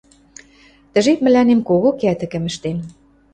Тӹ жеп мӹлӓнем кого кӓтӹкӹм ӹштен.